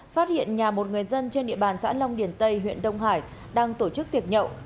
phát hiện nhà một người dân trên địa bàn xã long điền tây huyện đông hải đang tổ chức tiệc nhậu